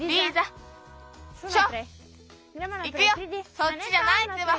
そっちじゃないってば。